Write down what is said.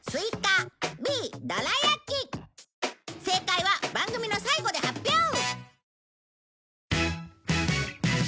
正解は番組の最後で発表！